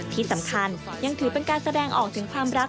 ที่สำคัญยังถือเป็นการแสดงออกถึงความรัก